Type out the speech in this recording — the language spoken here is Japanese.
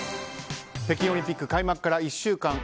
北京オリンピック開幕から１週間。